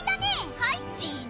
はいチーズ！